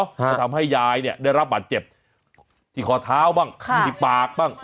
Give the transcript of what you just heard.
ก็ทำให้ยายเนี่ยได้รับบาดเจ็บที่คอเท้าบ้างที่ปากบ้าง